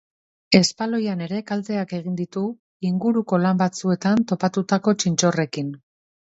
Espaloian ere kalteak egin ditu, inguruko lan batzuetan topatutako txintxorrekin.